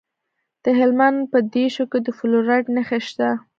د هلمند په دیشو کې د فلورایټ نښې شته.